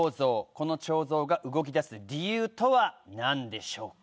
この彫像が動きだす理由とは何でしょうか？